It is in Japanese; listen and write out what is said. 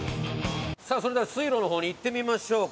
さあそれでは水路の方に行ってみましょう。